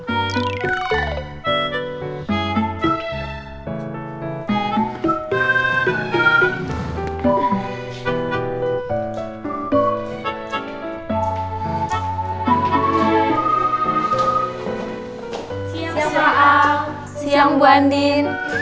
siap siap pak aung siap bu andin